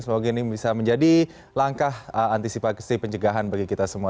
semoga ini bisa menjadi langkah antisipasi pencegahan bagi kita semua